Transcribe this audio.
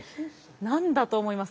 何だと思います？